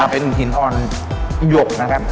เป็นหินอ่อนหยกนะครับ